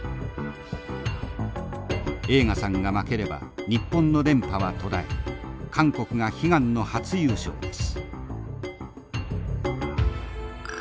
栄花さんが負ければ日本の連覇は途絶え韓国が悲願の初優勝です。